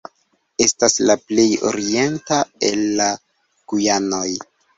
Estas la plej orienta el la Gujanoj.